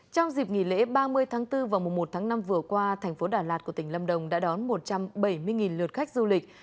trong dịp nghỉ lễ ba mươi tháng bốn vào mùa một tháng năm vừa qua thành phố đà lạt của tỉnh lâm đồng đã đón một trăm bảy mươi lượt khách du lịch